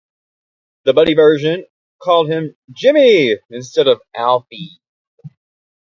The Buddy version called him Jimmy instead of Alfie.